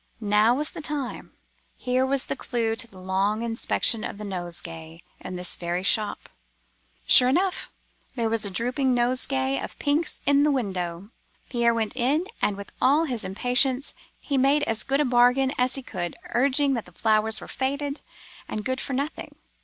Now was the time; here was the clue to the long inspection of the nosegay in this very shop. "Sure enough, there was a drooping nosegay of pinks in the window. Pierre went in, and, with all his impatience, he made as good a bargain as he could, urging that the flowers were faded, and good for nothing.